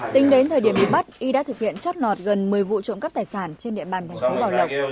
tính đến thời điểm bị bắt y đã thực hiện chất nọt gần một mươi vụ trộm cắp tài sản trên địa bàn tp bảo lộc